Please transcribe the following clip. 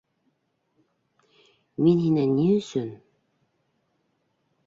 - Мин һинән ни өсөн...